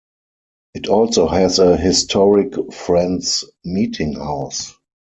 It also has a historic Friends Meetinghouse.